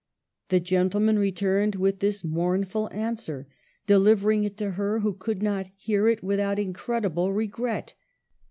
The gentleman returned with this mournful answer, deliver ing it to her, who could not hear it without incredible regret.